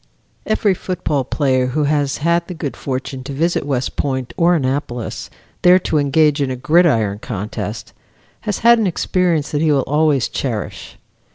Every football player who has had the good fortune to visit West Point or Annapolis, there to engage in a gridiron contest, has had an experience that he will always cherish.